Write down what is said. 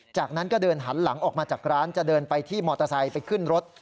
จากนั้นก็เดินหันหลังออกมาจากร้านจะเดินไปที่มอเตอร์ไซค์ไปขึ้นรถ